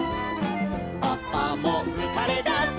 「パパもうかれだすの」